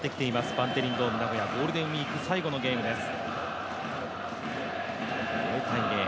バンテリンドームナゴヤ、ゴールデンウイーク最後のゲームです。